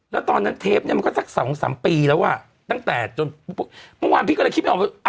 นะตอนนั้นเทปแล้วสัก๒ปีแล้วว่าตั้งแต่จนว่างมีความรู้หรอ